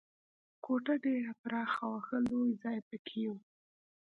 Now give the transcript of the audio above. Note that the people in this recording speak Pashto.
کوټه ډېره پراخه وه، ښه لوی ځای پکې و.